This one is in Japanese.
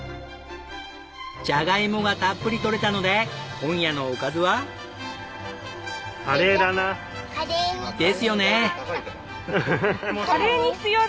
ジャガイモがたっぷり採れたので今夜のおかずは？ですよね！